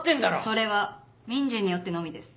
それは民事によってのみです。